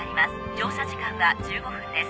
乗車時間は１５分です。